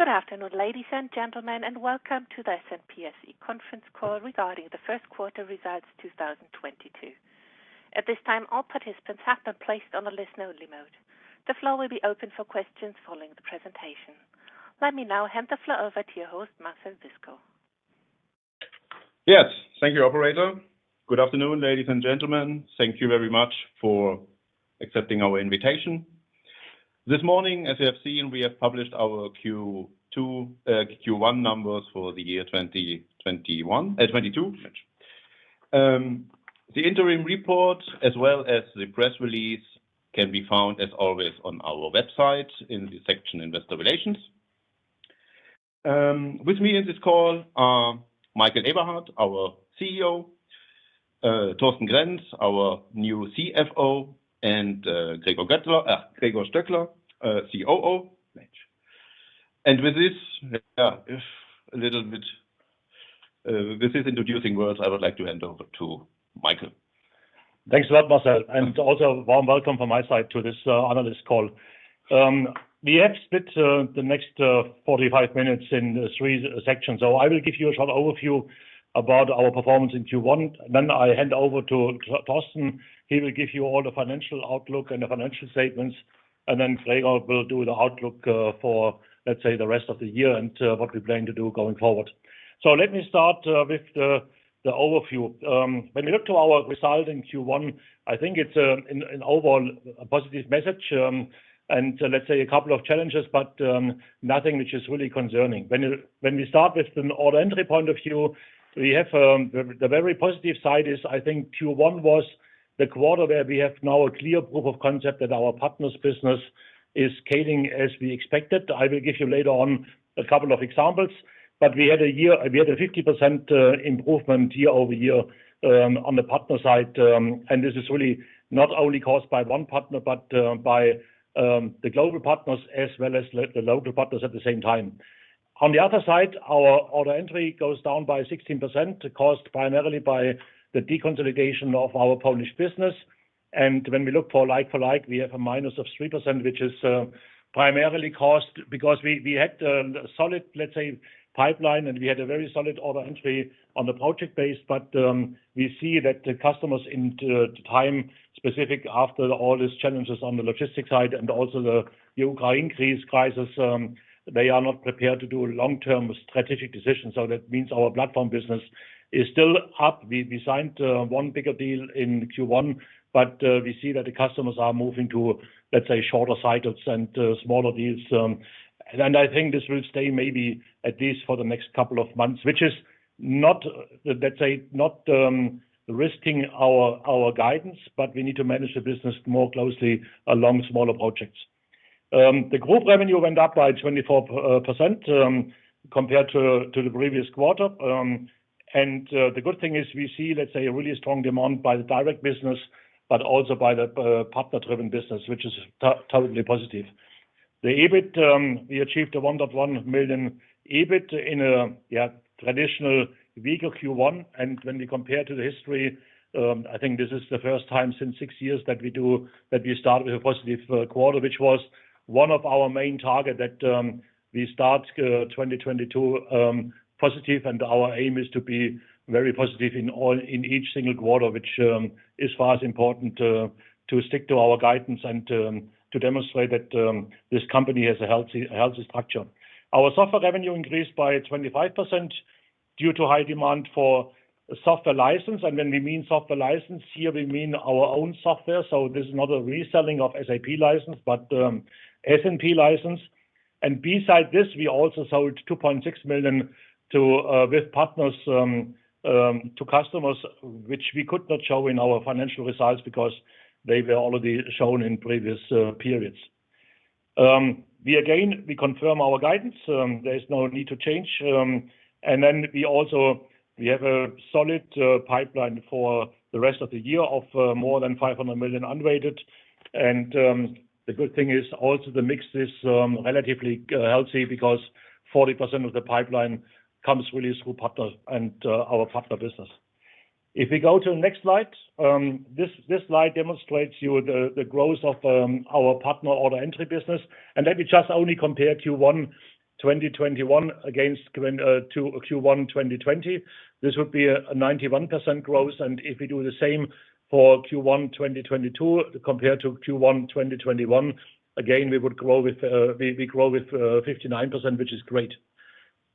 Good afternoon, ladies and gentlemen, and welcome to the SNP Schneider-Neureither & Partner conference call regarding the first quarter results 2022. At this time, all participants have been placed on a listen only mode. The floor will be open for questions following the presentation. Let me now hand the floor over to your host, Marcel Wiskow. Yes. Thank you, operator. Good afternoon, ladies and gentlemen. Thank you very much for accepting our invitation. This morning, as you have seen, we have published our Q1 numbers for the year 2022. The interim report, as well as the press release, can be found, as always, on our website in the section Investor Relations. With me in this call are Michael Eberhardt, our Chief Executive Officer, Thorsten Grenz, our new Chief Financial Officer, and Gregor Stöckler, Chief Operating Offiicer. With these introducing words, I would like to hand over to Michael. Thanks a lot, Marcel, and also a warm welcome from my side to this analyst call. We have split the next 45 minutes in three sections. I will give you a short overview about our performance in Q1. I hand over to Thorsten. He will give you all the financial outlook and the financial statements, and then Gregor will do the outlook for, let's say, the rest of the year and what we plan to do going forward. Let me start with the overview. When we look to our result in Q1, I think it's an overall a positive message, and let's say a couple of challenges, but nothing which is really concerning. When we start with an order entry point of view, the very positive side is I think Q1 was the quarter where we have now a clear proof of concept that our partner's business is scaling as we expected. I will give you later on a couple of examples. We had a 50% improvement year-over-year on the partner side. This is really not only caused by one partner, but by the global partners as well as the local partners at the same time. On the other side, our order entry goes down by 16%, caused primarily by the deconsolidation of our Polish business. When we look for like for like, we have a -3%, which is primarily caused because we had a solid, let's say, pipeline, and we had a very solid order entry on the project base. We see that the customers in the meantime, specifically after all these challenges on the logistics side and also the Ukraine crisis, they are not prepared to do long-term strategic decisions. That means our platform business is still up. We signed one bigger deal in Q1, but we see that the customers are moving to, let's say, shorter cycles and smaller deals. I think this will stay maybe at least for the next couple of months, which is not, let's say, risking our guidance, but we need to manage the business more closely along smaller projects. The group revenue went up by 24% compared to the previous quarter. The good thing is we see, let's say, a really strong demand by the direct business, but also by the partner-driven business, which is totally positive. The EBIT we achieved 1.1 million EBIT in a traditional weaker Q1. When we compare to the history, I think this is the first time since six years that we start with a positive quarter, which was one of our main target that we start 2022 positive. Our aim is to be very positive in all, in each single quarter, which is as important to stick to our guidance and to demonstrate that this company has a healthy structure. Our software revenue increased by 25% due to high demand for software license. What we mean software license here, we mean our own software. This is not a reselling of SAP license, but SAP license. Besides this, we also sold 2.6 million with partners to customers, which we could not show in our financial results because they were already shown in previous periods. We again confirm our guidance, there is no need to change. We also have a solid pipeline for the rest of the year of more than 500 million unweighted. The good thing is also the mix is relatively healthy because 40% of the pipeline comes really through partners and our partner business. If we go to the next slide, this slide demonstrates to you the growth of our partner order entry business. Let me just only compare Q1 2021 against Q1 2020. This would be a 91% growth. If we do the same for Q1 2022 compared to Q1 2021, again, we grow with 59%, which is great.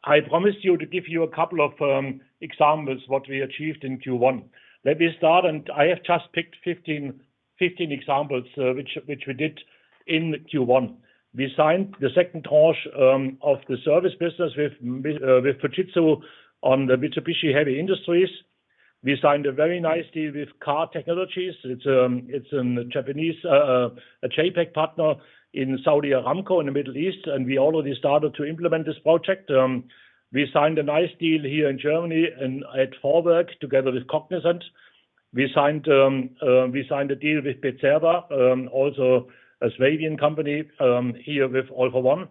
I promised you to give you a couple of examples, what we achieved in Q1. Let me start. I have just picked 15 examples, which we did in Q1. We signed the second tranche of the service business with Fujitsu on the Mitsubishi Heavy Industries. We signed a very nice deal with KaaIoT Technologies. It's a Japanese JGC partner in Saudi Aramco in the Middle East, and we already started to implement this project. We signed a nice deal here in Germany and at Vorwerk together with Cognizant. We signed a deal with Bitzer, also a Swabian company, here with All for One.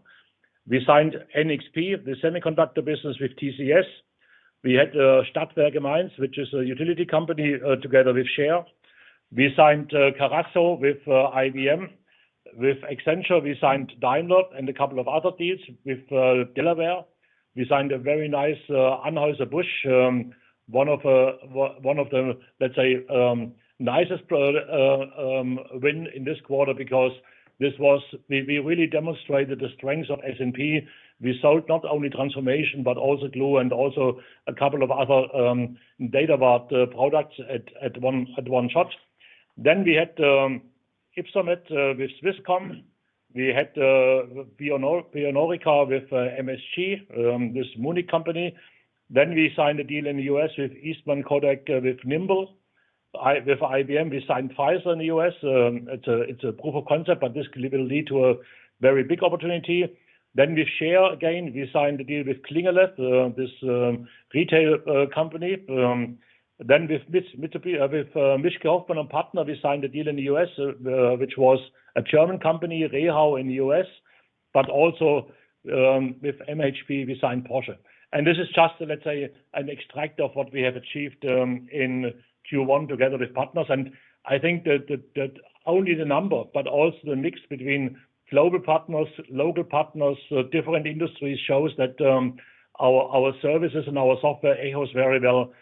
We signed NXP, the semiconductor business with TCS. We had Stadtwerke Mainz, which is a utility company, together with Scheer. We signed Carasso with IBM. With Accenture, we signed Daimler and a couple of other deals. With delaware, we signed a very nice Anheuser-Busch one of the nicest win in this quarter because we really demonstrated the strengths of SNP. We sold not only transformation but also Glue and also a couple of other Data Vault products at one shot. We had a partnership with Swisscom. We had Bionorica with msg, a Munich company. We signed a deal in the U.S. with Eastman Kodak with Nimble. With IBM, we signed Pfizer in the U.S. it's a proof of concept, but this will lead to a very big opportunity. With SAP again, we signed a deal with Klingele, this retail company. With MHP, we signed a deal in the U.S., which was a German company, REHAU, in the U.S. but also, with MHP, we signed Porsche. This is just, let's say, an extract of what we have achieved in Q1 together with partners. I think that not only the number, but also the mix between global partners, local partners, different industries shows that our services and our software echoes very well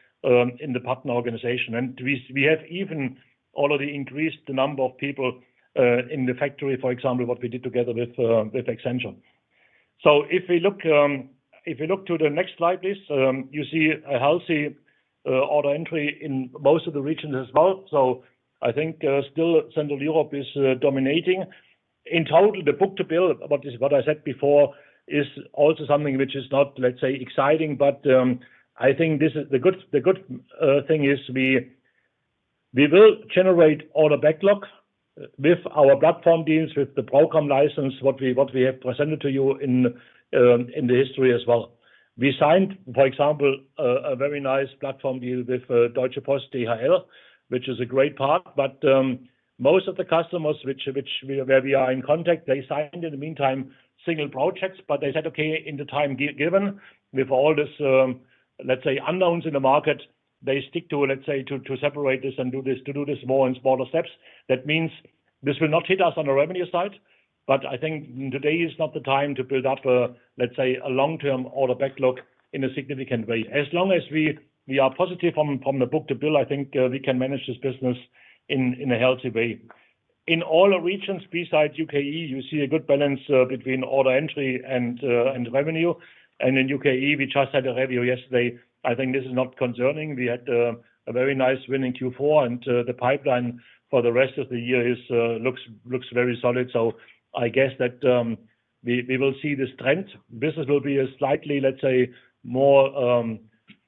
in the partner organization. We have even already increased the number of people in the factory, for example, what we did together with Accenture. If we look to the next slide, please, you see a healthy order entry in most of the regions as well. I think still Central Europe is dominating. In total, the book to bill, what I said before, is also something which is not, let's say, exciting, but I think this is the good thing is we will generate order backlog with our platform deals, with the Prokom license, what we have presented to you in the history as well. We signed, for example, a very nice platform deal with Deutsche Post DHL, which is a great part. Most of the customers where we are in contact, they signed in the meantime single projects, but they said, okay, in the time given, with all this, let's say unknowns in the market, they stick to, let's say, separate this and do this more in smaller steps. That means this will not hit us on the revenue side, but I think today is not the time to build up a, let's say, a long-term order backlog in a significant way. As long as we are positive from the book to bill, I think we can manage this business in a healthy way. In all the regions besides UK&I, you see a good balance between order entry and revenue. In UK&I, we just had a review yesterday. I think this is not concerning. We had a very nice win in Q4, and the pipeline for the rest of the year looks very solid. I guess that we will see this trend. Business will be a slightly, let's say, more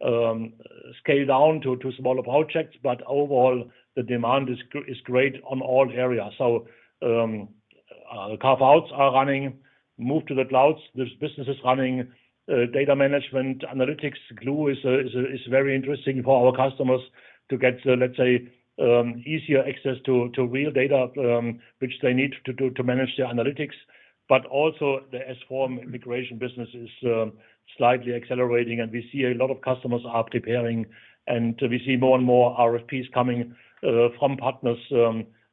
scaled down to smaller projects, but overall the demand is great on all areas. The carve-outs are running, move to the clouds, this business is running, data management, analytics. Glue is very interesting for our customers to get, let's say, easier access to real data, which they need to do to manage their analytics. Also the S/4 migration business is slightly accelerating, and we see a lot of customers are preparing, and we see more and more RFPs coming from partners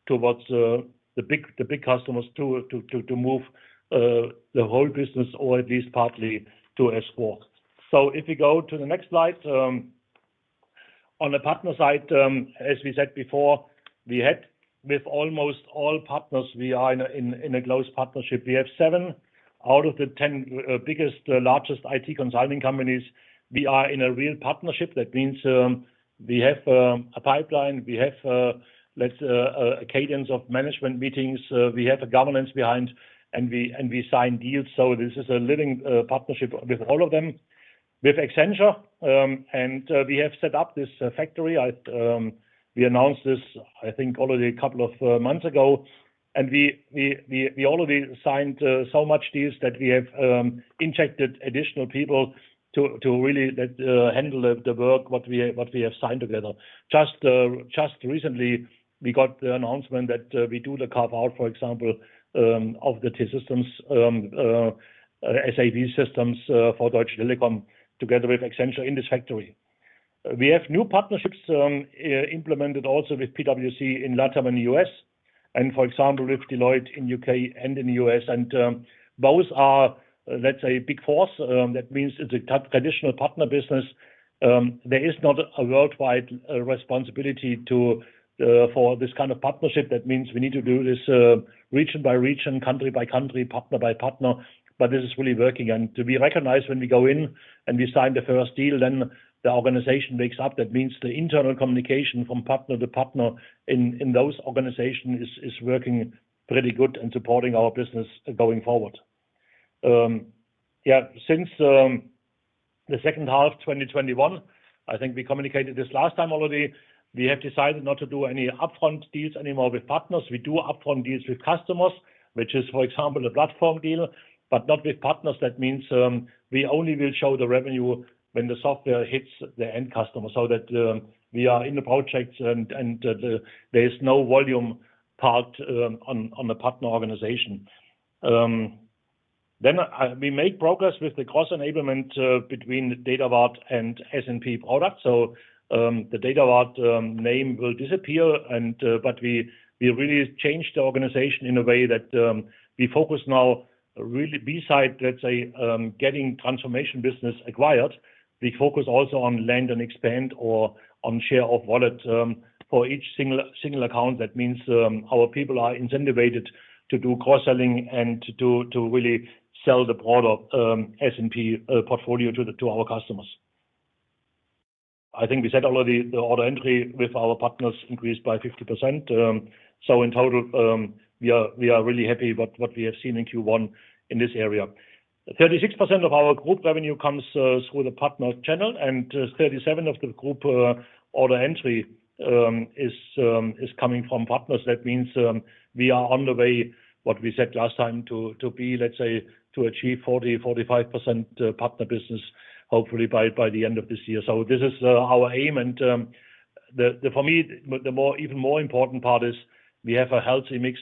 towards the big customers to move the whole business or at least partly to S/4. If you go to the next slide. On the partner side, as we said before, we had with almost all partners, we are in a close partnership. We have seven out of the ten biggest largest IT consulting companies. We are in a real partnership. That means, we have a pipeline. We have a cadence of management meetings. We have a governance behind, and we sign deals. This is a living partnership with all of them. With Accenture, we have set up this factory. We announced this, I think, already a couple of months ago. We already signed so many deals that we have injected additional people to really handle the work what we have signed together. Just recently, we got the announcement that we do the carve-out, for example, of the T-Systems SAP systems for Deutsche Telekom together with Accenture in this factory. We have new partnerships implemented also with PwC in LATAM and U.S. for example, with Deloitte in U.K. and in U.S. both are, let's say, Big Four. That means it's a traditional partner business. There is not a worldwide responsibility for this kind of partnership. That means we need to do this, region by region, country by country, partner by partner. This is really working. To be recognized when we go in and we sign the first deal, then the organization wakes up. That means the internal communication from partner to partner in those organizations is working pretty good and supporting our business going forward. Since the second half of 2021, I think we communicated this last time already. We have decided not to do any upfront deals anymore with partners. We do upfront deals with customers, which is, for example, a platform deal, but not with partners. That means, we only will show the revenue when the software hits the end customer, so that we are in the projects and there is no volume part on the partner organization. Then we make progress with the cross enablement between Datavard and SNP products. The Datavard name will disappear, but we really change the organization in a way that we focus now really besides, let's say, getting transformation business acquired. We focus also on land and expand or on share of wallet for each single account. That means our people are incentivized to do cross-selling and to really sell the product SNP portfolio to our customers. I think we said already the order entry with our partners increased by 50%. In total, we are really happy with what we have seen in Q1 in this area. 36% of our group revenue comes through the partners channel, and 37% of the group order entry is coming from partners. That means we are on the way, as we said last time, to be, let's say, to achieve 40%-45% partner business hopefully by the end of this year. This is our aim and, for me, the even more important part is we have a healthy mix.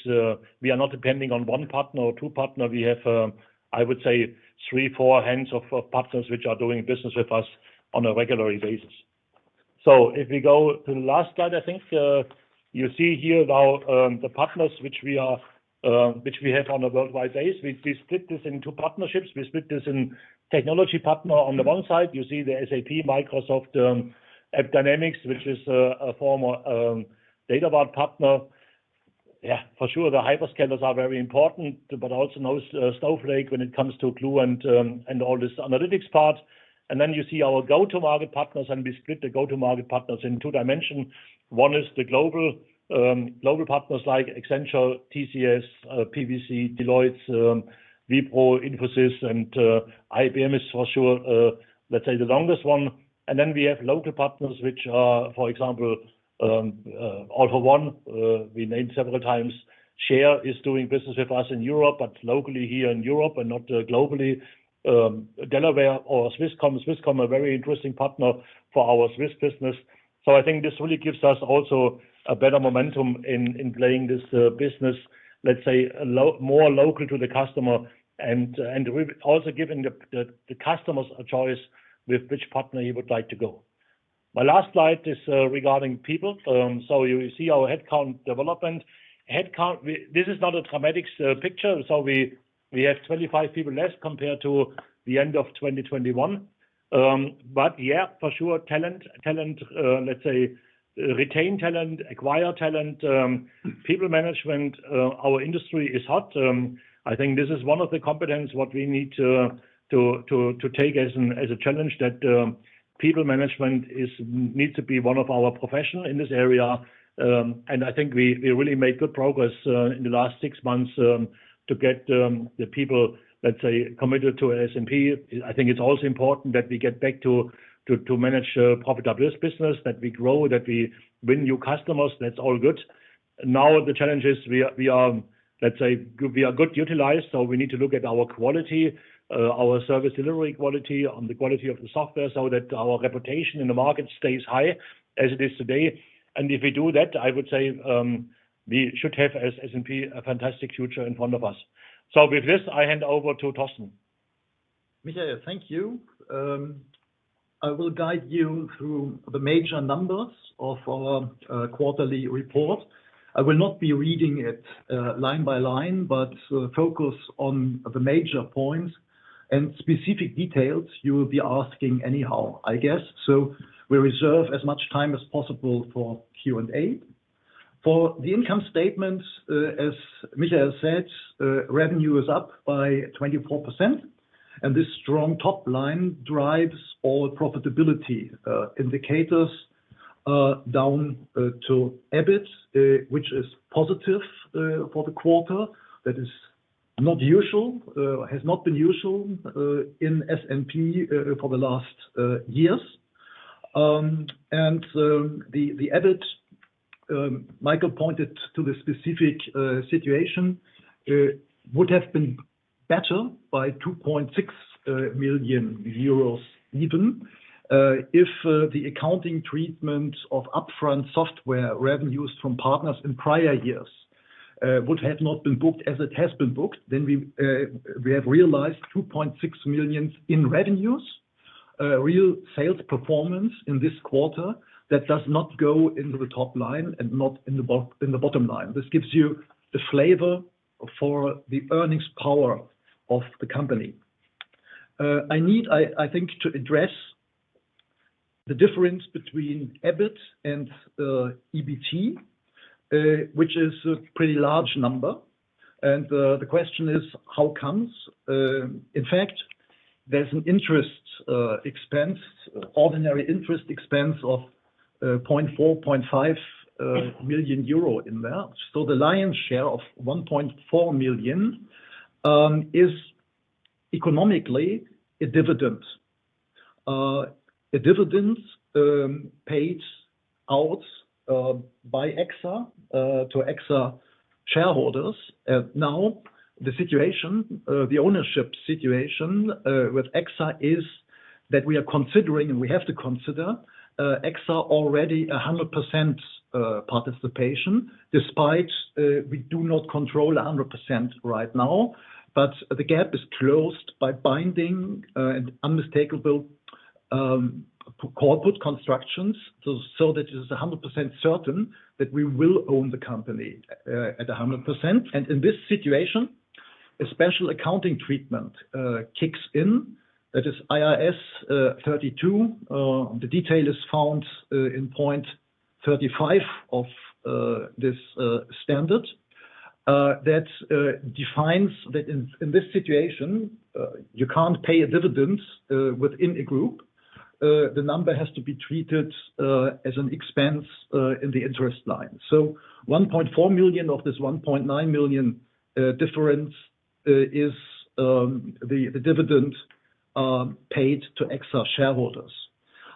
We are not depending on one partner or two partners. We have, I would say, three, four hands of partners which are doing business with us on a regular basis. If we go to the last slide, I think you see here our partners which we have on a worldwide basis. We split this into partnerships. We split this into technology partners on one side. You see the SAP, Microsoft, AppDynamics, which is a former Datavard partner. Yeah, for sure the hyperscalers are very important, but also now Snowflake when it comes to Glue and all this analytics part. You see our go-to-market partners, and we split the go-to-market partners in two dimensions. One is the global partners like Accenture, TCS, PwC, Deloitte, Wipro, Infosys, and IBM is for sure, let's say the longest one. We have local partners, which are, for example, All for One, we named several times. Share is doing business with us in Europe, but locally here in Europe and not globally. delaware or Swisscom. Swisscom a very interesting partner for our Swiss business. I think this really gives us also a better momentum in playing this business, let's say more local to the customer. We've also given the customers a choice with which partner he would like to go. My last slide is regarding people. You see our headcount development. Headcount this is not a dramatic picture. We have 25 people less compared to the end of 2021. Yeah, for sure talent, let's say retain talent, acquire talent, people management, our industry is hot. I think this is one of the competencies that we need to take as a challenge that people management needs to be one of our professional in this area. I think we really made good progress in the last six months to get the people, let's say, committed to SNP. I think it's also important that we get back to manage profitability as a business, that we grow, that we win new customers. That's all good. Now the challenge is we are, let's say, well utilized, so we need to look at our quality, our service delivery quality, the quality of the software, so that our reputation in the market stays high as it is today. If we do that, I would say, we should have as SNP a fantastic future in front of us. With this, I hand over to Thorsten. Michael, thank you. I will guide you through the major numbers of our quarterly report. I will not be reading it line by line, but focus on the major points and specific details you will be asking anyhow, I guess. We reserve as much time as possible for Q&A. For the income statement, as Michael said, revenue is up by 24%, and this strong top line drives all profitability indicators down to EBIT, which is positive for the quarter. That is not usual, has not been usual in SNP for the last years. The EBIT Michael pointed to the specific situation would have been better by 2.6 million euros even if the accounting treatment of upfront software revenues from partners in prior years would have not been booked as it has been booked. Then we have realized 2.6 million in revenues. Real sales performance in this quarter that does not go into the top line and not in the bottom line. This gives you the flavor for the earnings power of the company. I think to address the difference between EBIT and EBT, which is a pretty large number. The question is how come? In fact, there's an interest expense, ordinary interest expense of 0.45 million euro in there. So the lion's share of 1.4 million is economically a dividend. A dividend paid out by EXA to EXA shareholders. Now the situation, the ownership situation with EXA is that we are considering and we have to consider EXA already a 100% participation, despite we do not control a 100% right now. But the gap is closed by binding and unmistakable corporate constructions so that it is a 100% certain that we will own the company at a 100%. In this situation, a special accounting treatment kicks in. That is IAS 32. The detail is found in point 35 of this standard that defines that in this situation you can't pay a dividend within a group. The number has to be treated as an expense in the interest line. 1.4 million of this 1.9 million difference is the dividend paid to EXA shareholders.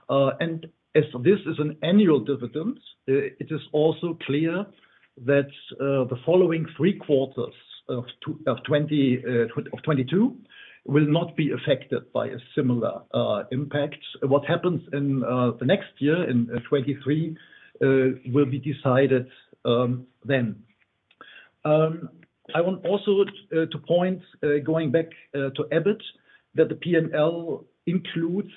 As this is an annual dividend, it is also clear that the following three quarters of 2022 will not be affected by a similar impact. What happens in the next year in 2023 will be decided then. I want also to point, going back, to EBIT that the P&L includes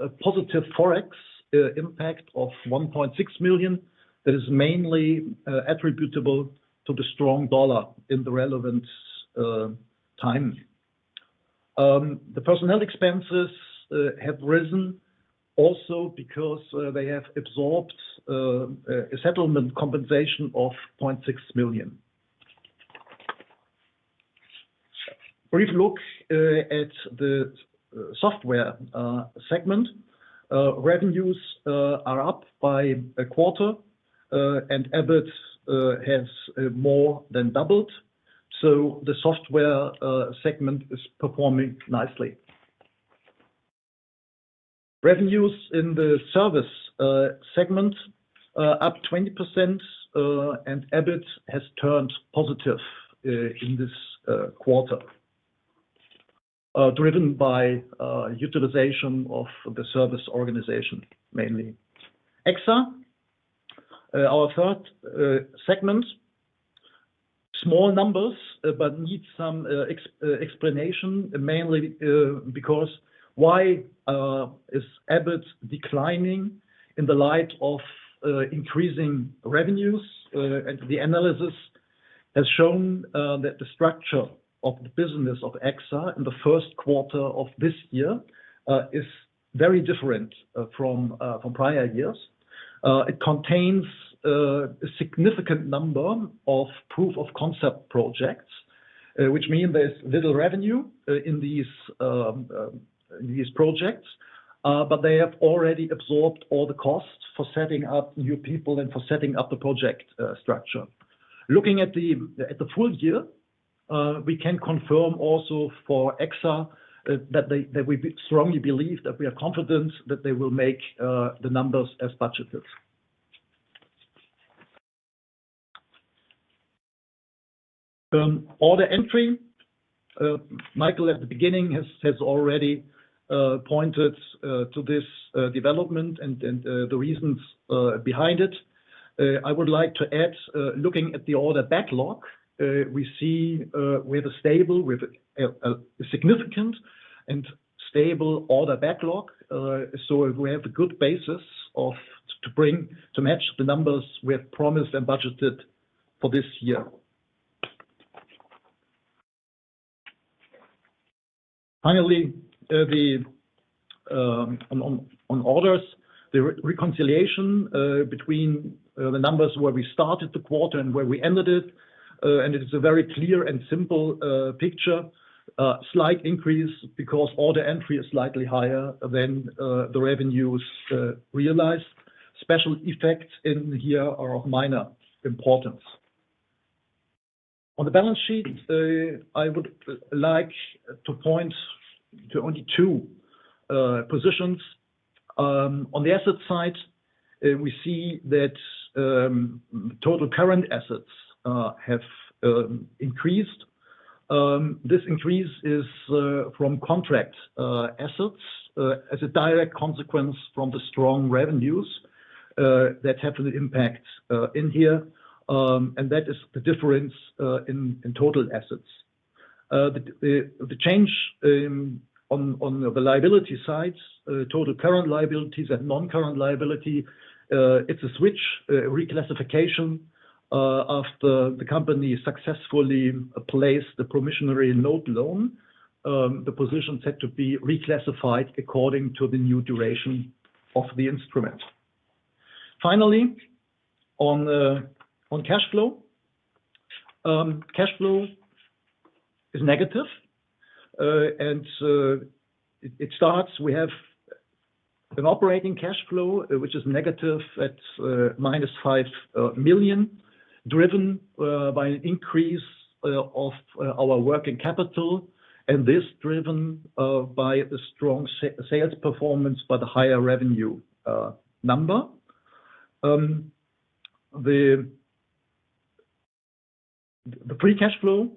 a positive Forex impact of 1.6 million that is mainly attributable to the strong dollar in the relevant time. The personnel expenses have risen also because they have absorbed a settlement compensation of 0.6 million. Brief look at the software segment. Revenues are up by a quarter and EBIT has more than doubled. The software segment is performing nicely. Revenues in the service segment up 20% and EBIT has turned positive in this quarter driven by utilization of the service organization, mainly. EXA our third segment. Small numbers, but needs some explanation, mainly because why is EBIT declining in the light of increasing revenues? The analysis has shown that the structure of the business of EXA in the first quarter of this year is very different from prior years. It contains a significant number of proof of concept projects, which mean there's little revenue in these projects. But they have already absorbed all the costs for setting up new people and for setting up the project structure. Looking at the full year, we can confirm also for EXA that we strongly believe that we are confident that they will make the numbers as budgeted. Order entry. Michael at the beginning has already pointed to this development and the reasons behind it. I would like to add, looking at the order backlog, we see we have a significant and stable order backlog. We have a good basis to match the numbers we have promised and budgeted for this year. Finally, on orders, the reconciliation between the numbers where we started the quarter and where we ended it, and it is a very clear and simple picture. Slight increase because order entry is slightly higher than the revenues realized. Special effects in here are of minor importance. On the balance sheet, I would like to point to only two positions. On the asset side, we see that total current assets have increased. This increase is from contract assets as a direct consequence from the strong revenues that have an impact in here. That is the difference in total assets. The change on the liability side, total current liabilities and non-current liability, it's a switch reclassification after the company successfully placed the promissory note loan. The position had to be reclassified according to the new duration of the instrument. Finally, on cash flow. Cash flow is negative, and it starts. We have an operating cash flow, which is negative at -5 million, driven by an increase of our working capital, and this driven by the strong sales performance but higher revenue number. The free cash flow,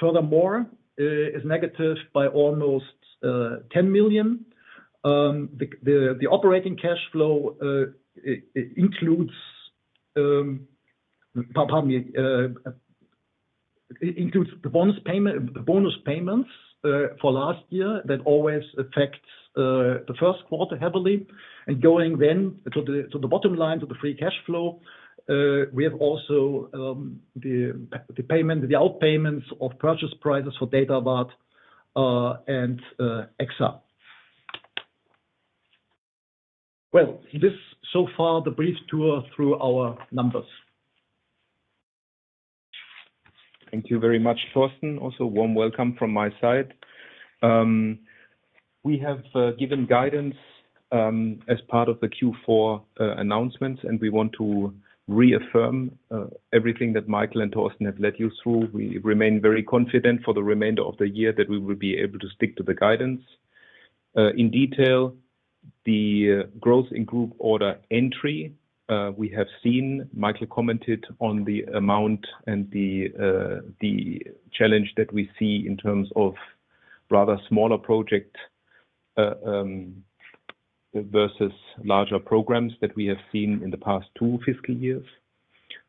furthermore, is negative by almost 10 million. The operating cash flow includes, pardon me, the bonus payments for last year that always affects the first quarter heavily. Going then to the bottom line, to the free cash flow, we have also the payment, the outpayments of purchase prices for Datavard and EXA. Well, this so far the brief tour through our numbers. Thank you very much, Thorsten. Also warm welcome from my side. We have given guidance as part of the Q4 announcements, and we want to reaffirm everything that Michael and Thorsten have led you through. We remain very confident for the remainder of the year that we will be able to stick to the guidance. In detail, the growth in group order entry, we have seen Michael commented on the amount and the challenge that we see in terms of rather smaller project versus larger programs that we have seen in the past two fiscal years.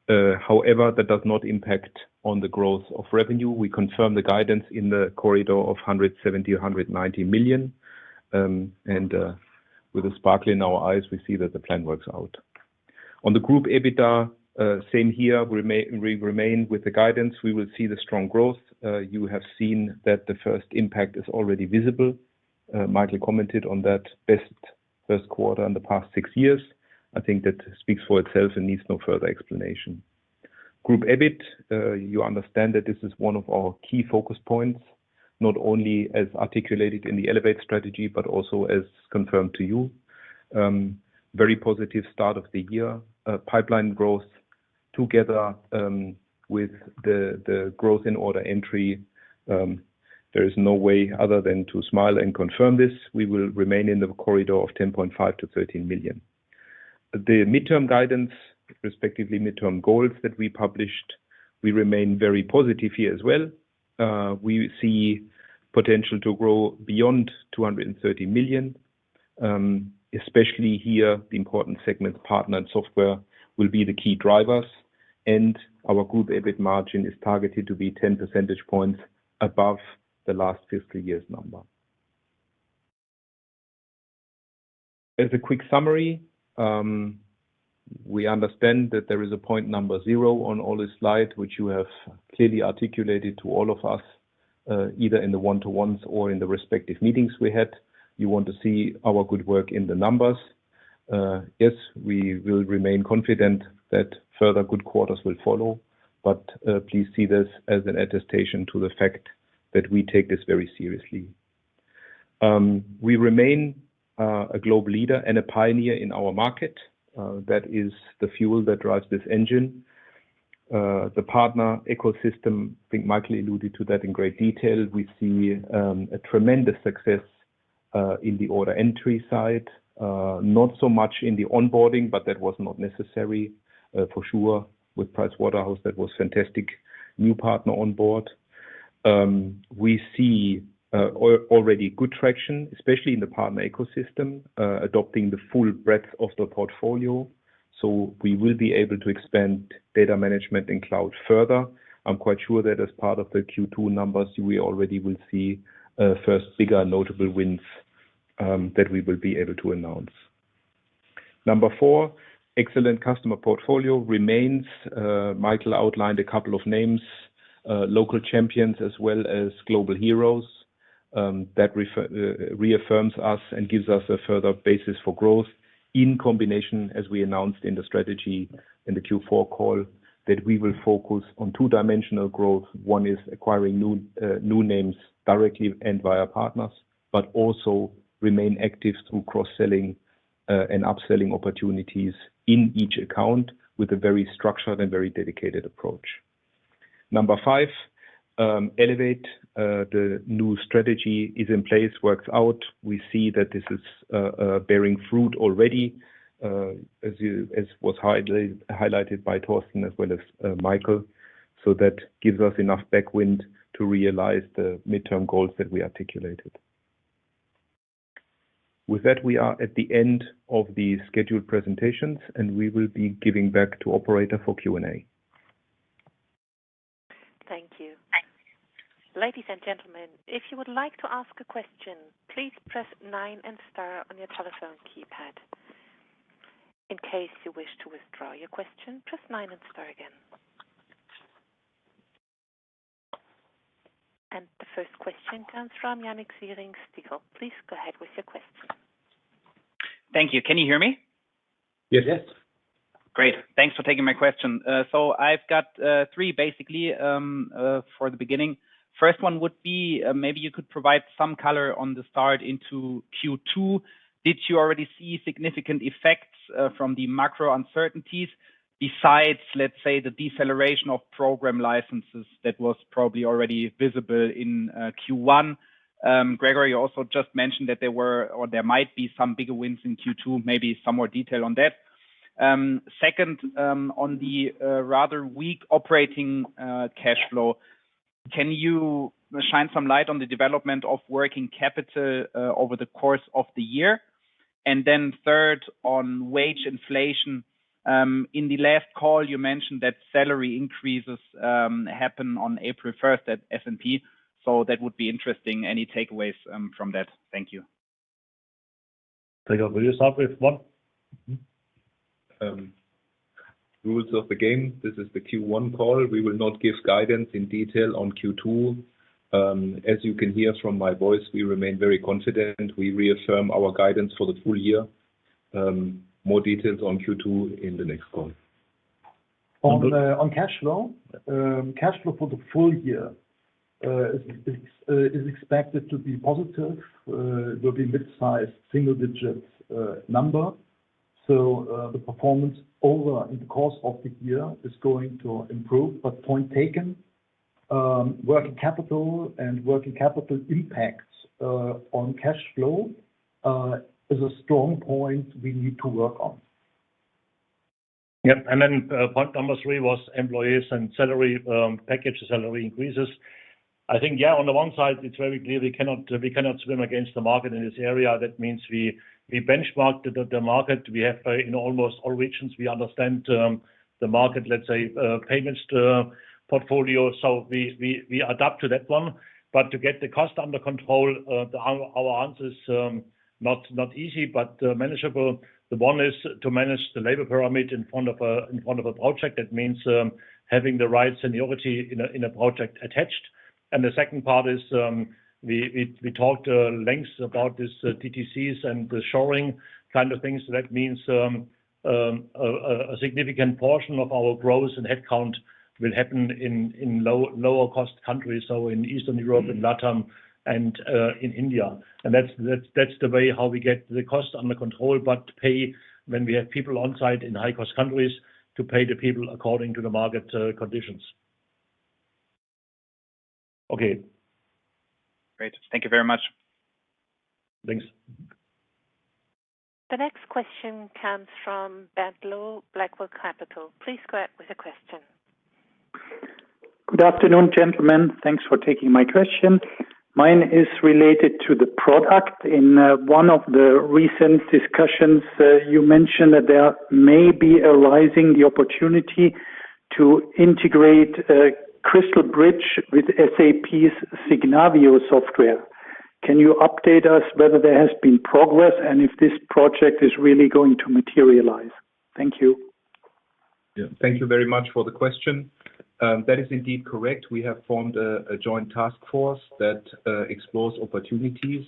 However, that does not impact on the growth of revenue. We confirm the guidance in the corridor of 170 million-190 million. With a sparkle in our eyes, we see that the plan works out. On the group EBITDA, same here, we remain with the guidance. We will see the strong growth. You have seen that the first impact is already visible. Michael commented on that best first quarter in the past six years. I think that speaks for itself and needs no further explanation. Group EBIT, you understand that this is one of our key focus points, not only as articulated in the ELEVATE strategy, but also as confirmed to you. Very positive start of the year. Pipeline growth together with the growth in order entry, there is no way other than to smile and confirm this. We will remain in the corridor of 10.5 million-13 million. The midterm guidance, respectively midterm goals that we published, we remain very positive here as well. We see potential to grow beyond 230 million. Especially here, the important segment partner and software will be the key drivers and our group EBIT margin is targeted to be 10 percentage points above the last fiscal year's number. As a quick summary, we understand that there is a point number zero on all this slide, which you have clearly articulated to all of us, either in the one-to-ones or in the respective meetings we had. You want to see our good work in the numbers. Yes, we will remain confident that further good quarters will follow, but please see this as an attestation to the fact that we take this very seriously. We remain a global leader and a pioneer in our market. That is the fuel that drives this engine. The partner ecosystem, I think Michael alluded to that in great detail. We see a tremendous success in the order entry side. Not so much in the onboarding, but that was not necessary for sure with PricewaterhouseCoopers. That was fantastic new partner on board. We see already good traction, especially in the partner ecosystem, adopting the full breadth of the portfolio. So we will be able to expand data management and cloud further. I'm quite sure that as part of the Q2 numbers, we already will see first bigger notable wins that we will be able to announce. Number four, excellent customer portfolio remains. Michael outlined a couple of names, local champions as well as global heroes, that reaffirms us and gives us a further basis for growth in combination, as we announced in the strategy in the Q4 call, that we will focus on two-dimensional growth. One is acquiring new names directly and via partners, but also remain active through cross-selling and upselling opportunities in each account with a very structured and very dedicated approach. Number five, ELEVATE, the new strategy is in place, works out. We see that this is bearing fruit already, as was highlighted by Thorsten as well as Michael. That gives us enough backwind to realize the midterm goals that we articulated. With that, we are at the end of the scheduled presentations, and we will be giving back to operator for Q&A. Thank you. Ladies and gentlemen, if you would like to ask a question, please press nine and star on your telephone keypad. In case you wish to withdraw your question, press nine and star again. The first question comes from Yannik Siering, Stifel. Please go ahead with your question. Thank you. Can you hear me? Yes, yes. Great. Thanks for taking my question. So I've got three basically for the beginning. First one would be, maybe you could provide some color on the start into Q2. Did you already see significant effects from the macro uncertainties besides, let's say, the deceleration of program licenses that was probably already visible in Q1? Gregor Stöckler also just mentioned that there were or there might be some bigger wins in Q2, maybe some more detail on that. Second, on the rather weak operating cash flow, can you shine some light on the development of working capital over the course of the year? Third, on wage inflation, in the last call, you mentioned that salary increases happen on April first at SNP. That would be interesting, any takeaways from that. Thank you. Gregor, will you start with one? Rules of the game. This is the Q1 call. We will not give guidance in detail on Q2. As you can hear from my voice, we remain very confident. We reaffirm our guidance for the full year. More details on Q2 in the next call. On cash flow for the full year is expected to be positive. It will be mid-sized single digits number. The performance over the course of the year is going to improve. Point taken, working capital impacts on cash flow is a strong point we need to work on. Point number three was employees and salary package, salary increases. I think on the one side, it's very clear we cannot swim against the market in this area. That means we benchmark the market. We have in almost all regions, we understand the market, let's say, payments to personnel. So we adapt to that one. But to get the cost under control, our answer is not easy, but manageable. The one is to manage the labor pyramid in front of a project. That means having the right seniority in a project attached. The second part is we talked at length about this, DTCs and the shoring kind of things. That means a significant portion of our growth and headcount will happen in lower cost countries, so in Eastern Europe and LATAM and in India. That's the way how we get the cost under control, but pay when we have people on site in high-cost countries to pay the people according to the market conditions. Okay. Great. Thank you very much. Thanks. The next question comes from Bert Lou, Blackwell Capital. Please go ahead with your question. Good afternoon, gentlemen. Thanks for taking my question. Mine is related to the product. In one of the recent discussions, you mentioned that there may be arising the opportunity to integrate CrystalBridge with SAP's Signavio software. Can you update us whether there has been progress and if this project is really going to materialize? Thank you. Yeah. Thank you very much for the question. That is indeed correct. We have formed a joint task force that explores opportunities.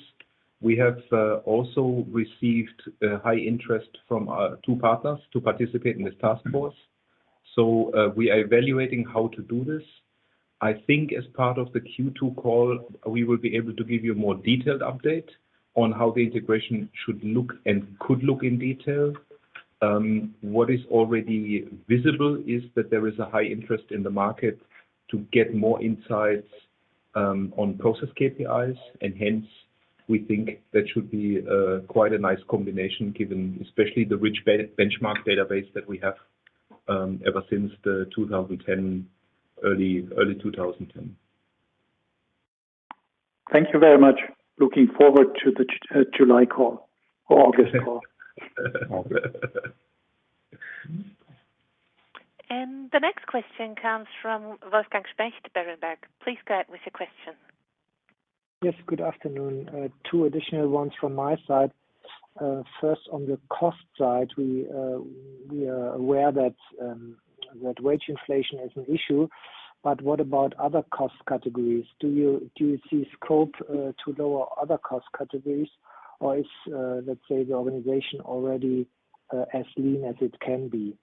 We have also received high interest from our two partners to participate in this task force. We are evaluating how to do this. I think as part of the Q2 call, we will be able to give you a more detailed update on how the integration should look and could look in detail. What is already visible is that there is a high interest in the market to get more insights on process KPIs, and hence we think that should be quite a nice combination given especially the rich benchmark database that we have ever since 2010, early 2010. Thank you very much. Looking forward to the July call or August call. August. The next question comes from Wolfgang Specht, Berenberg. Please go ahead with your question. Yes, good afternoon. Two additional ones from my side. First on the cost side, we are aware that wage inflation is an issue, but what about other cost categories? Do you see scope to lower other cost categories or is, let's say, the organization already as lean as it can be?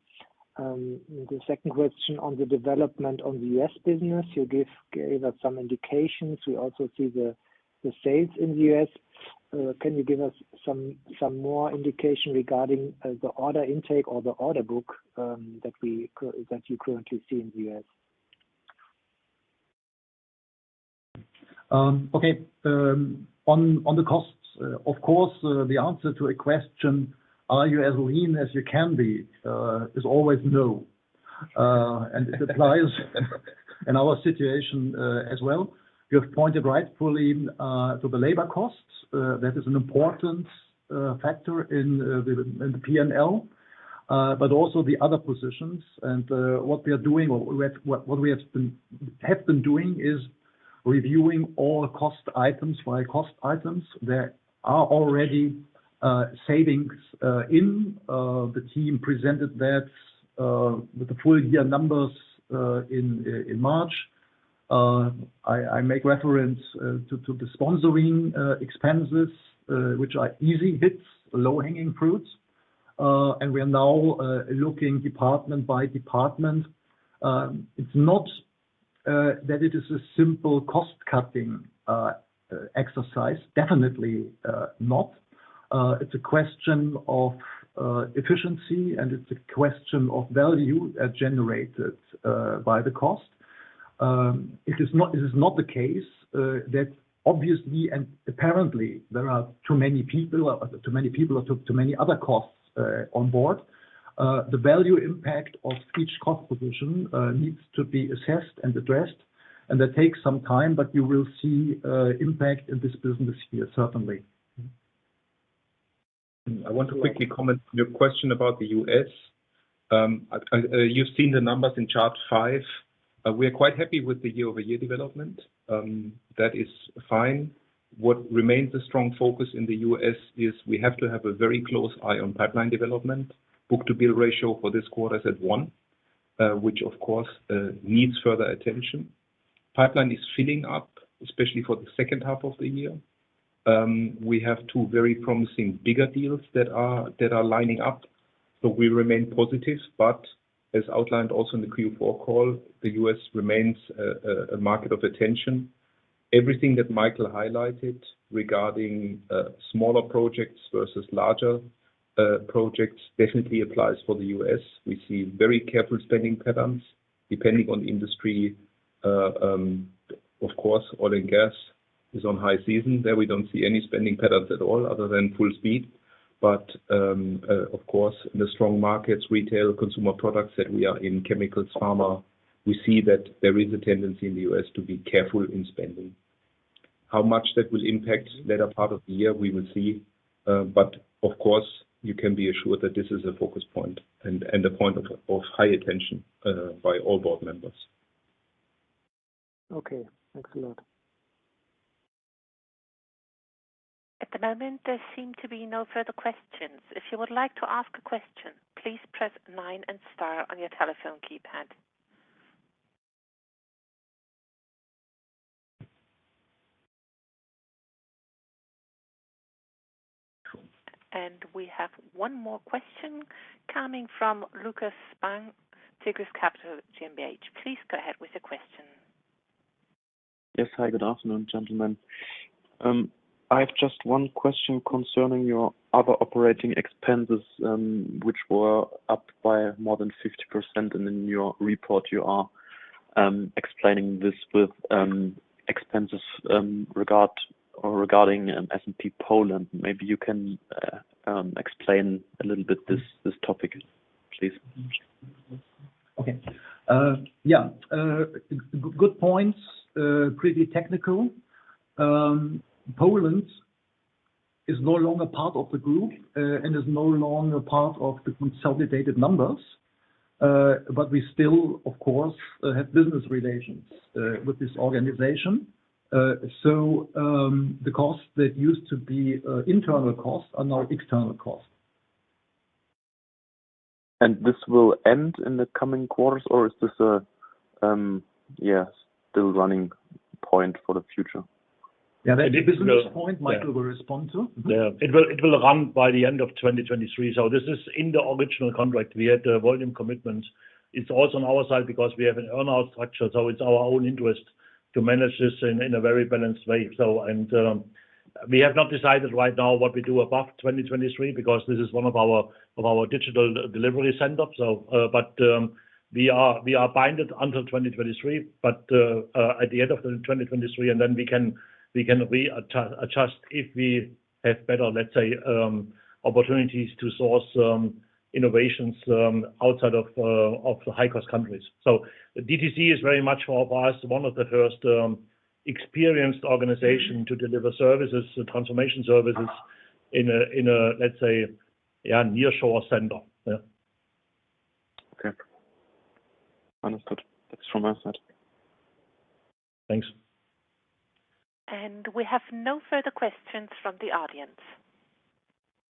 The second question on the development of the U.S. business, you gave us some indications. We also see the sales in the U.S. Can you give us some more indication regarding the order intake or the order book that you currently see in the U.S.? Okay. On the costs, of course, the answer to a question, are you as lean as you can be, is always no. It applies in our situation, as well. You have pointed rightfully to the labor costs. That is an important factor in the P&L, but also the other positions. What we are doing or what we have been doing is reviewing all cost items by cost items. There are already savings, as the team presented that, with the full year numbers in March. I make reference to the sponsoring expenses, which are easy hits, low-hanging fruits. We are now looking department by department. It's not that it is a simple cost-cutting exercise. Definitely not. It's a question of efficiency, and it's a question of value generated by the cost. It is not the case that obviously and apparently there are too many people or too many other costs on board. The value impact of each cost position needs to be assessed and addressed, and that takes some time, but you will see impact in this business year, certainly. I want to quickly comment on your question about the US. You've seen the numbers in chart five. We are quite happy with the year-over-year development. That is fine. What remains a strong focus in the U.S. is we have to have a very close eye on pipeline development. Book-to-bill ratio for this quarter is at one, which of course needs further attention. Pipeline is filling up, especially for the second half of the year. We have two very promising bigger deals that are lining up, so we remain positive. As outlined also in the Q4 call, the U.S. remains a market of attention. Everything that Michael highlighted regarding smaller projects versus larger projects definitely applies for the US. We see very careful spending patterns depending on industry. Of course, oil and gas is on high season. There we don't see any spending patterns at all other than full speed. Of course, the strong markets, retail, consumer products that we are in, chemicals, pharma, we see that there is a tendency in the U.S. to be careful in spending. How much that will impact later part of the year, we will see. Of course, you can be assured that this is a focus point and a point of high attention by all board members. Okay. Thanks a lot. At the moment, there seem to be no further questions. If you would like to ask a question, please press nine and star on your telephone keypad. We have one more question coming from Lukas Spang, Tigris Capital GmbH. Please go ahead with your question. Yes. Hi, good afternoon, gentlemen. I have just one question concerning your other operating expenses, which were up by more than 50%, and in your report you are explaining this with expenses regarding SNP Poland. Maybe you can explain a little bit this topic, please. Okay. Yeah. Good points, pretty technical. Poland is no longer part of the group and is no longer part of the consolidated numbers. But we still, of course, have business relations with this organization. The costs that used to be internal costs are now external costs. This will end in the coming quarters or is this a, yeah, still running point for the future? Yeah, that business point Michael will respond to. Yeah. It will run by the end of 2023. This is in the original contract. We had volume commitments. It's also on our side because we have an earn-out structure, so it's our own interest to manage this in a very balanced way. We have not decided right now what we do above 2023 because this is one of our digital delivery centers. We are bound until 2023, but at the end of 2023 and then we can readjust if we have better, let's say, opportunities to source innovations outside of the high-cost countries. DTC is very much for us one of the first experienced organization to deliver services, transformation services in a let's say nearshore center. Okay. Understood. That's from our side. Thanks. We have no further questions from the audience.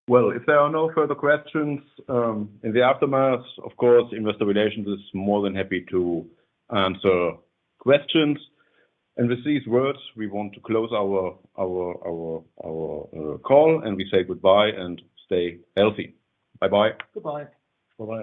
Well, if there are no further questions, in the aftermath, of course, investor relations is more than happy to answer questions. With these words, we want to close our call, and we say goodbye and stay healthy. Bye-bye. Goodbye. Bye-bye.